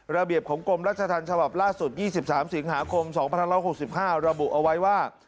ระเบียบของกรมรัชธรรมฉบับล่าสุด๒๓สิงหาคม๒๑๖๕ระบุเอาไว้ว่า